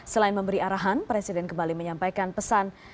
selain memberi arahan presiden kembali menyampaikan pesan